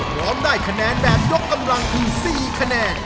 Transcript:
พร้อมได้คะแนนแบบยกกำลังคือ๔คะแนน